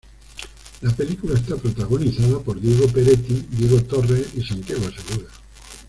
La película está protagonizada por Diego Peretti, Diego Torres y Santiago Segura.